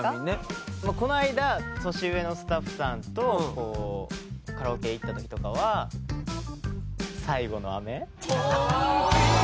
この間年上のスタッフさんとカラオケ行った時とかは『最後の雨』。